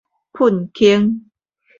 噴傾